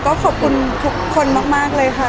ก็ขอบคุณทุกคนมากเลยค่ะ